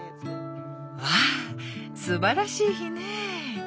「わぁすばらしい日ね」。